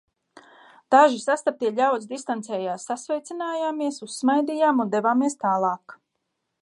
Daži sastaptie ļaudis distancējās, sasveicinājāmies, uzsmaidījām un devāmies tālāk.